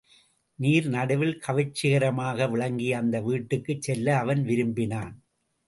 நீர் நடுவில் கவர்ச்சிகரமாக விளங்கிய அந்த வீட்டுக்குச் செல்ல அவன் விரும்பினான்.